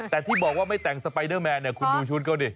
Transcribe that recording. แต่ที่บอกว่าไม่แต่งสไปเดอร์แมนเนี่ยคุณดูชุดเขาดิ